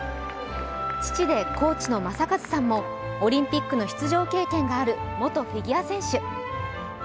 父でコーチの正和さんもオリンピックの出場経験がある元フィギュア選手。